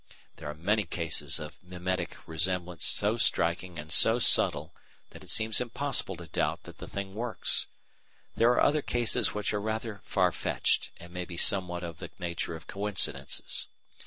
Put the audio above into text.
There are many cases of mimetic resemblance so striking and so subtle that it seems impossible to doubt that the thing works; there are other cases which are rather far fetched, and may be somewhat of the nature of coincidences.